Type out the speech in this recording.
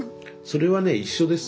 それはね一緒です。